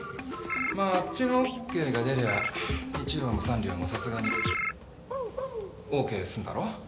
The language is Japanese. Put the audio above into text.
まああっちのＯＫが出りゃ一寮も三寮もさすがにＯＫすんだろ。